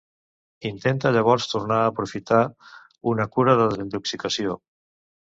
Intenta llavors tornar a aprofitar una cura de desintoxicació.